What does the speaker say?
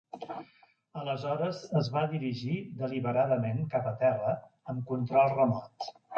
Aleshores es va dirigir deliberadament cap a terra amb control remot.